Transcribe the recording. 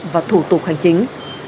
và thủ tục hành chính